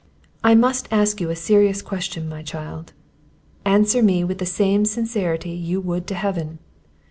"I must ask you a serious question, my child; answer me with the same sincerity you would to Heaven.